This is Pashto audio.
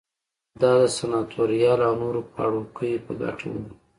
دا د سناتوریال او نورو پاړوکیو په ګټه وه